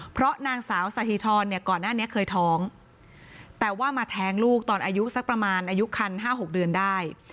เพราะนางสาวสหิธรเนี่ยก่อนหน้านี้เคยท้องแต่ว่ามาแท้งลูกตอนอายุสักประมาณอายุคัน๕๖เดือนได้